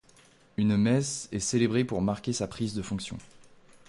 Une messe est célébrée pour marquer sa prise de fonction.